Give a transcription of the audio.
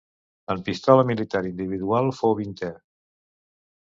En pistola militar individual fou vintè.